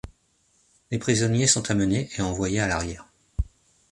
Les prisonniers sont amenés et envoyés à l'arrière.